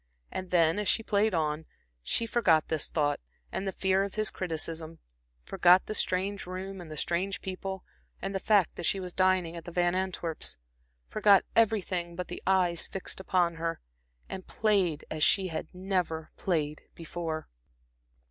And then, as she played on, she forgot this thought, and the fear of his criticism; forgot the strange room, and the strange people, and the fact that she was dining at the Van Antwerps'; forgot everything but the eyes fixed upon her, and played as she had never played before.